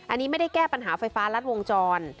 อันนี้ไม่ได้แก้ปัญหาไฟฟ้ารัดวงจร